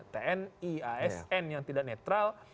tni asn yang tidak netral